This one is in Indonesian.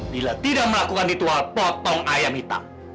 bila tidak melakukan ritual potong ayam hitam